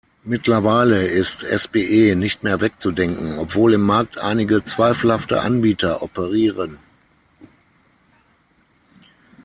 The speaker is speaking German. Mittlerweile ist SbE nicht mehr wegzudenken, obwohl im Markt einige zweifelhafte Anbieter operieren.